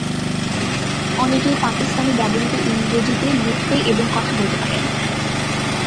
অনেকেই পাকিস্তানি ব্যবহৃত ইংরেজিতে লিখতে এবং কথা বলতে পারেন।